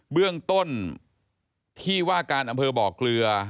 เบื้องต้นที่ว่าการอำเภอบ่อเกลือ